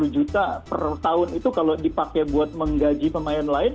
satu ratus lima puluh juta per tahun itu kalau dipakai buat menggaji pemain lain